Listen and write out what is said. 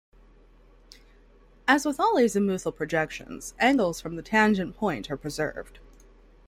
As with all azimuthal projections, angles from the tangent point are preserved.